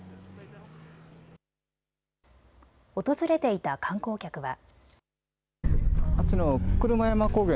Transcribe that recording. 訪れていた観光客は。